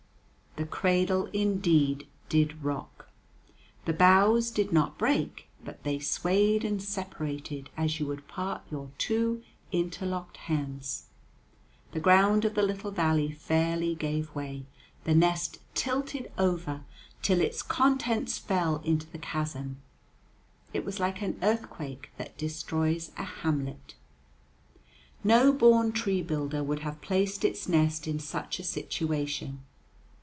The cradle indeed did rock. The boughs did not break, but they swayed and separated as you would part your two interlocked hands. The ground of the little valley fairly gave way, the nest tilted over till its contents fell into the chasm. It was like an earthquake that destroys a hamlet. No born tree builder would have placed its nest in such a situation.